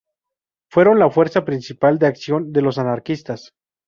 Fueron la fuerza principal de acción de los anarquistas.